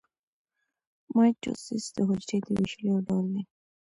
مایټوسیس د حجرې د ویشلو یو ډول دی